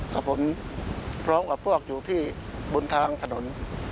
กับผมพร้อมกับพวกอยู่ที่บนทางถนน